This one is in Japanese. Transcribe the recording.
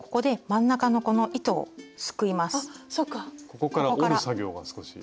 ここから織る作業が少し。